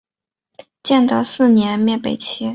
建德四年灭北齐。